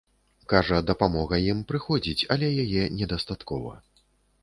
Кажа, дапамога ім прыходзіць, але яе недастаткова.